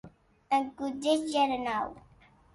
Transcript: Eth Conselh Generau d